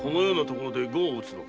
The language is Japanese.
この寺で碁を打つのか？